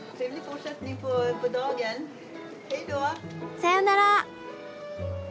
さよなら。